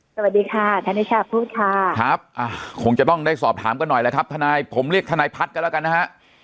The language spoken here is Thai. สวัสดีค่ะธนิชาพูดค่ะครับคงจะต้องได้สอบถามกันหน่อยแล้วครับทนายผมเรียกทนายพัฒน์กันแล้วกันนะฮะ